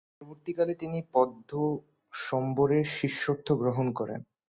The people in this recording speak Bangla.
পরবর্তীকালে তিনি পদ্মসম্ভবের শিষ্যত্ব গ্রহণ করেন।